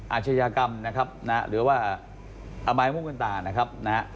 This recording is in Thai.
อาชญากรรมนะครับหรือว่าอมายมุมกันตานะครับ